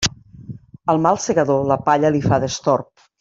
Al mal segador la palla li fa destorb.